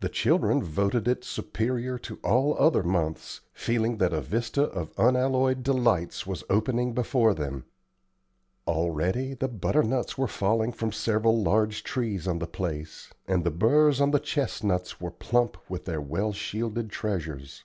The children voted it superior to all other months, feeling that a vista of unalloyed delights was opening before them. Already the butternuts were falling from several large trees on the place, and the burrs on the chestnuts were plump with their well shielded treasures.